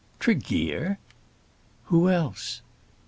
"Tregear!" "Who else?"